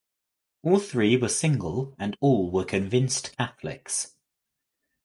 All three were single and all were convinced Catholics.